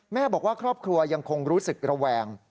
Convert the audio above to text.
แม่บอกว่าครอบครัวยังคงรู้สึกระแวง